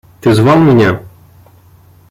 Ты звал меня?